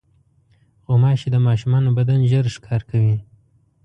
غوماشې د ماشومانو بدن ژر ښکار کوي.